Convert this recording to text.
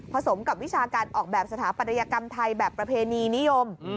สมกับวิชาการออกแบบสถาปัตยกรรมไทยแบบประเพณีนิยม